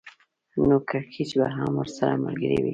نو کړکېچ به هم ورسره ملګری وي